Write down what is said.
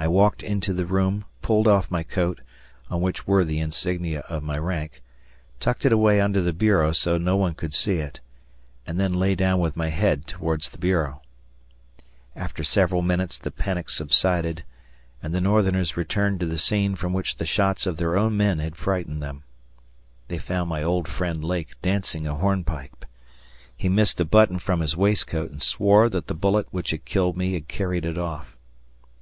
I walked into the room, pulled off my coat, on which were the insignia of my rank, tucked it away under the bureau so that no one could see it, and then lay down with my head towards the bureau. After several minutes the panic subsided, and the Northerners returned to the scene from which the shots of their own men had frightened them. They found my old friend Lake dancing a hornpipe. He missed a button from his waistcoat and swore that the bullet which had killed me had carried it off.